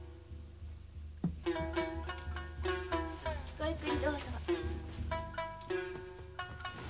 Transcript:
ごゆっくりどうぞ。